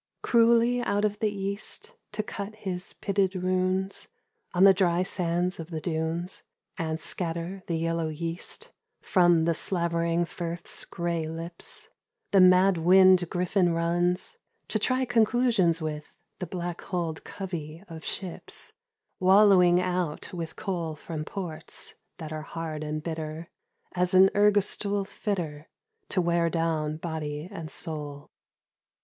Cruelly out of the east to cut his pitted runes On the dry sands of the dunes, and scatter the yellow yeast From the slavering firth's grey lips, the mad wind griffin runs To try conclusions with the black hulled covey of ships Wallowing out with coal from ports that are hard and bitter As an ergastule fitter, to wear down body and soul.